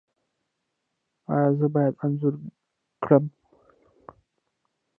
ایا زه باید انځور کړم؟